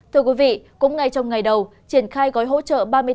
thưa quý vị cũng ngay trong ngày đầu triển khai gói hỗ trợ